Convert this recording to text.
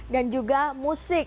dan juga musik